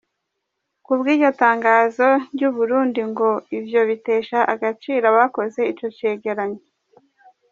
Kubw’iryo tangazo ry’Uburundi, ngo ivyo bitesha agaciro abakoze ico cegeranyo.